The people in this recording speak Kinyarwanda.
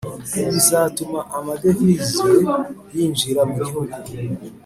Ibi bizatuma amadevize yinjira mu Gihugu